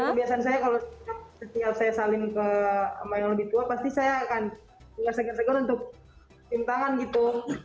kebiasaan saya kalau setiap saya saling ke mainan lebih tua pasti saya akan bergerak gerak untuk cium tangan gitu